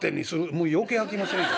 「もう余計あきませんよ。